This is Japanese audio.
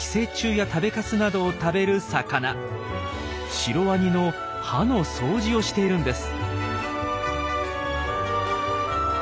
シロワニの歯の掃除をしているんです。